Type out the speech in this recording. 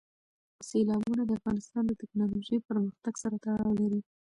سیلابونه د افغانستان د تکنالوژۍ پرمختګ سره تړاو لري.